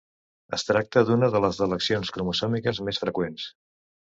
Es tracta d'una de les delecions cromosòmiques més freqüents.